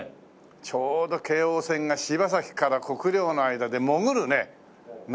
ちょうど京王線が柴崎から国領の間で潜るねなかなかなね